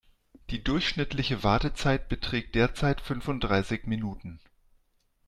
Die durchschnittliche Wartezeit beträgt derzeit fünfunddreißig Minuten.